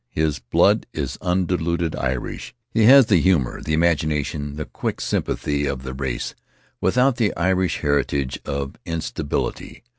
His blood is undiluted Irish; he has the humor, the imagination, the quick sympathy of the race, without the Irish heritage of instability.